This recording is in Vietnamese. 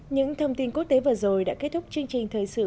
những thông tin quốc tế vừa rồi đã kết thúc chương trình thời sự